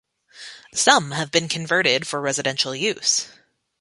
Some have been converted for residential use.